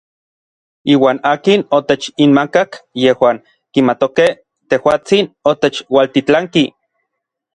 Iuan akin otechinmakak yejuan kimatokej tejuatsin otechualtitlanki.